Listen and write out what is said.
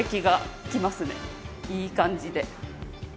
いい感じで。